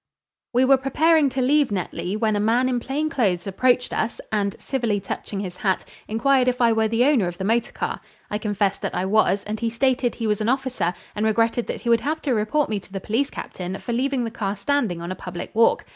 We were preparing to leave Netley when a man in plain clothes approached us, and civilly touching his hat, inquired if I were the owner of the motor car. I confessed that I was and he stated he was an officer and regretted that he would have to report me to the police captain for leaving the car standing on a public walk.